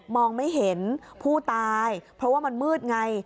องไม่เห็นผู้ตายเพราะว่ามันมืดไง